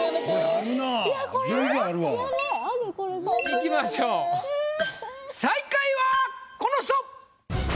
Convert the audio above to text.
いきましょう最下位はこの人！